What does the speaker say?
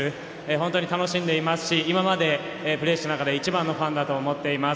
本当に楽しんでいますし今まで、プレーしながら一番のファンだと思っています。